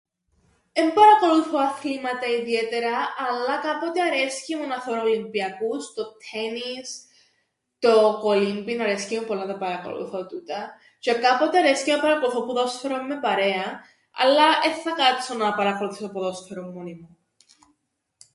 Εν παρακολουθώ αθλήματα ιδιαίτερα, αλλά κάποτε αρέσκει μου να θωρώ ολυμπιακούς, το ττένις, το κολύμπιν, αρέσκει μου πολλά να τα παρακολουθώ τούτα τžαι κάποτε αρέσκει μου να παρακολουθώ ποδόσφαιρον με παρέαν, αλλά εν θα κάτσω να παρακολουθήσω ποδόσφαιρον μόνη μου.